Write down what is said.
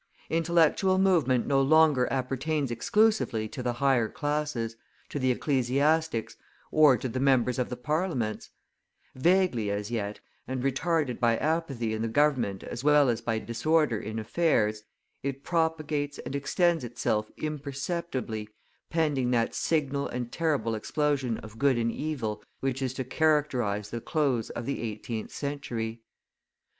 Intellectual movement no longer appertains exclusively to the higher classes, to the ecclesiastics, or to the members of the Parliaments; vaguely as yet, and retarded by apathy in the government as well as by disorder in affairs, it propagates and extends itself imperceptibly pending that signal and terrible explosion of good and evil which is to characterize the close of the eighteenth century.